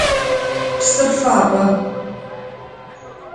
Псыр фабэ.